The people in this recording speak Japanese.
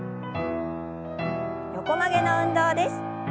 横曲げの運動です。